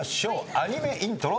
アニメイントロ。